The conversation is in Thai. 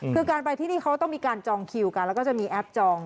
คือการไปที่นี่เขาต้องมีการจองคิวกันแล้วก็จะมีแอปจอง